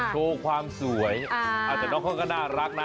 โชว์ความสวยแต่น้องเขาก็น่ารักนะ